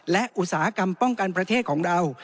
และอุตสาหกรรมป้องกันประเทศของเรา